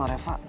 oleh karena itu